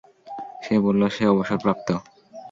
সে বলল সে অবসরপ্রাপ্ত।